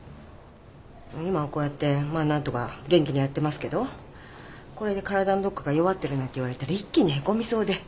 今はこうやってまあ何とか元気にやってますけどこれで体のどっかが弱ってるなんて言われたら一気にへこみそうで。